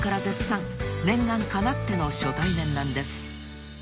［念願かなっての初対面なんです］